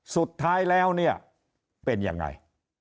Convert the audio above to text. สุดท้ายแล้วเป็นอย่างไร